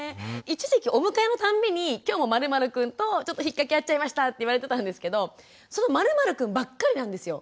一時期お迎えのたんびに今日も○○くんとちょっとひっかき合っちゃいましたって言われてたんですけどその○○くんばっかりなんですよ。